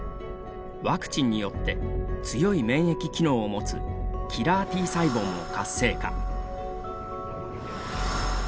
ワクチンによって強い免疫機能を持つキラーＴ細胞も活性化。